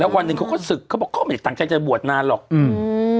วันหนึ่งเขาก็ศึกเขาบอกเขาไม่ได้ตั้งใจจะบวชนานหรอกอืม